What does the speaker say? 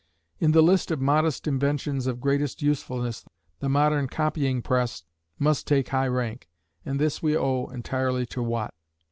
In the list of modest inventions of greatest usefulness, the modern copying press must take high rank, and this we owe entirely to Watt.